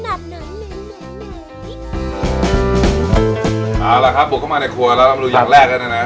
เอาล่ะครับบุกเข้ามาในครัวแล้วเรามาดูอย่างแรกแล้วเนี่ยนะ